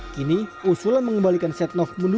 kini usulan mengembalikan setinov fanto